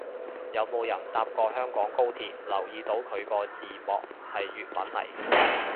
有冇人搭過香港高鐵留意到佢個字幕係粵文嚟